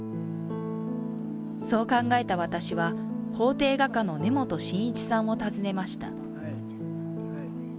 そう考えた私は、法廷画家の根本真一さんを訪ねました。